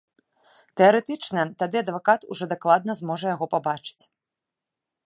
Тэарэтычна, тады адвакат ужо дакладна зможа яго пабачыць.